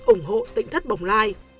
ủng hộ tỉnh thất bồng lai